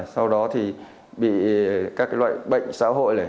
sau đó thì bị các loại bệnh xã hội